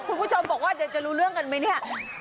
คุณผู้ชมบอกว่าเดี๋ยวจะรู้เรื่องกันไหมเนี่ย